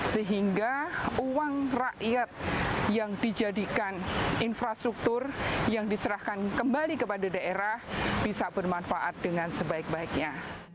sehingga uang rakyat yang dijadikan infrastruktur yang diserahkan kembali kepada daerah bisa bermanfaat dengan sebaik baiknya